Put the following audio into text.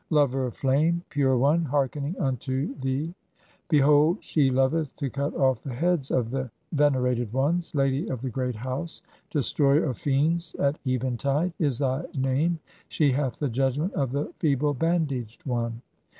'Lover of flame, pure one, hearkening unto the behold [she] loveth to cut off the head[s] of the ve nerated ones, lady of the Great House, destroyer (64) of fiends at eventide', [is thy name]. She hath the judgment of the feeble bandaged one."